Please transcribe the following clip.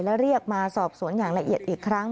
และเรียกมาสอบสวนอย่างละเอียดอีกครั้ง